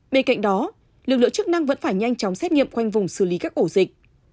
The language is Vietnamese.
bên cạnh đó lực lượng chức năng vẫn phải nhanh chóng xét nghiệm khoanh vùng xử lý các ổ dịch